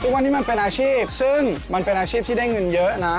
ว่านี้มันเป็นอาชีพซึ่งมันเป็นอาชีพที่ได้เงินเยอะนะ